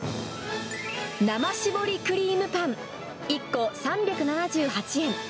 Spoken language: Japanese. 生搾りクリームパン１個３７８円。